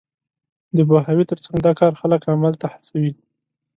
د پوهاوي تر څنګ، دا کار خلک عمل ته هڅوي.